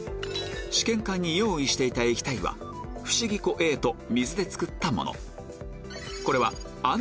試験管に用意していた液体はフシギ粉Ａと水で作ったもの